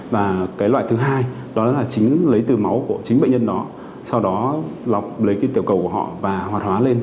và cái loại thứ hai đó là chính lấy từ máu của chính bệnh nhân đó sau đó lọc lấy cái tiểu cầu của họ và hoạt hóa lên